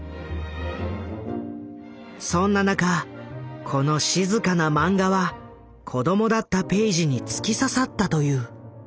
そんな中この静かなマンガは子供だったペイジに突き刺さったという。